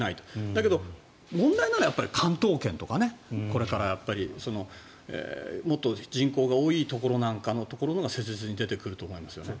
だけど、問題なのは関東圏とかこれからもっと人口が多いところのほうが切実に出てくると思いますね。